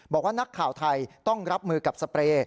บอกว่านักข่าวไทยต้องรับมือกับสเปรย์